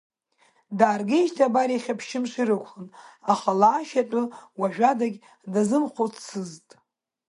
Дааргеижьҭеи абар иахьа ԥшьымш ирықәлон, аха лаашьа атәы уажәадагь дазымхәыццызт.